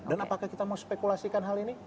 dan apakah kita mau spekulasikan hal ini